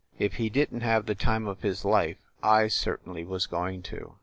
If he didn t have the time of his life, / certainly was going to.